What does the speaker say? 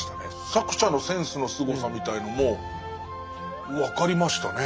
作者のセンスのすごさみたいのも分かりましたね。